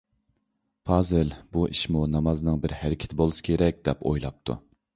پازىل «بۇ ئىشمۇ نامازنىڭ بىر ھەرىكىتى بولسا كېرەك» دەپ ئويلاپتۇ.